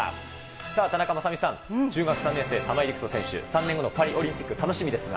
さあ田中雅美さん、中学３年生、玉井陸斗選手、３年後のパリオリンピック、楽しみですが。